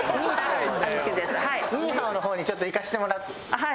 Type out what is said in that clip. ニーハオの方にちょっと行かせてもらって。